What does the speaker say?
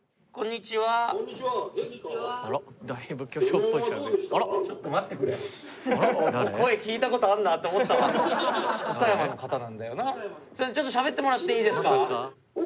ちょっとしゃべってもらっていいですか？